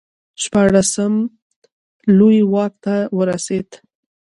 شپاړسم لویي واک ته ورسېد.